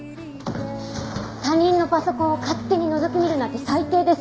他人のパソコンを勝手にのぞき見るなんて最低です。